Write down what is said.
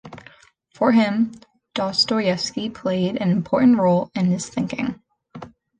For him, Dostoyevsky played an important role in this thinking.